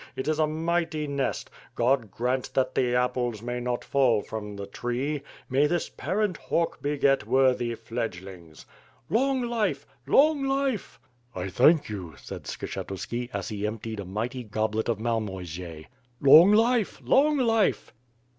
It is a mighty nest! God grant that the apples may not fall from the tree. May this parent hawk beget worthy fledglings." "I»ng life! Long life!" ^'I thank you/' said Skshetuski, as he emptied a mighty goblet of Malmoisie. "Long life! Long life!